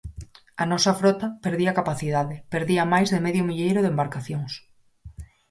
A nosa frota perdía capacidade, perdía máis de medio milleiro de embarcacións.